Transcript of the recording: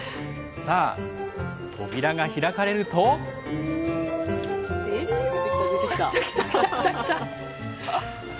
さあ、扉が開かれると。来た来た。